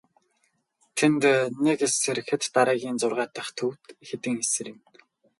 Тэнд нэг эс сэрэхэд дараагийн зургаа дахь төвд хэдэн эс сэрнэ.